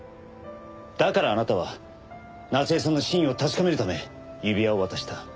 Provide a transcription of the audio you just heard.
だからあなたは夏恵さんの真意を確かめるため指輪を渡した。